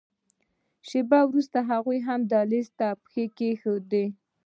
شېبه وروسته هغوی هم دهلېز ته پښه کېښوده.